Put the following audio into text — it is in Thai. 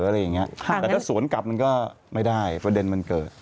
ถ้าถ้าสวนกลับไม่ได้ประเด็นเกิด